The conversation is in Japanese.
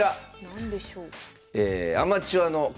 何でしょう。